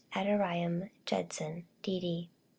ADONIRAM JUDSON, D.